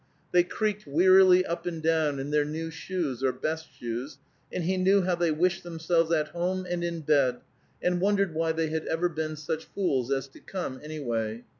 They creaked wearily up and down in their new shoes or best shoes, and he knew how they wished themselves at home and in bed, and wondered why they had ever been such fools as to come, anyway.